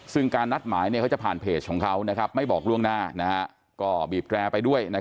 ซึ่งการนัดหมายเขาจะผ่านเพจของเขาไม่บอกล่วงหน้าก็บีบแรร์ไปด้วย